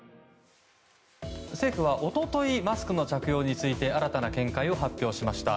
政府は一昨日マスクの着用について新たな見解を発表しました。